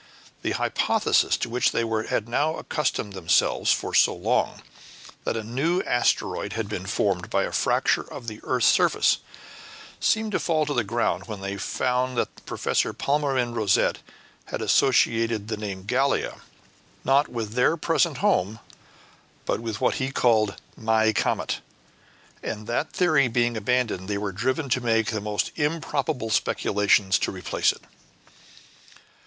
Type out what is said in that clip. The hypothesis, to which they had now accustomed themselves for so long, that a new asteroid had been formed by a fracture of the earth's surface, seemed to fall to the ground when they found that Professor Palmyrin Rosette had associated the name of Gallia, not with their present home, but with what he called "my comet"; and that theory being abandoned, they were driven to make the most improbable speculations to replace it.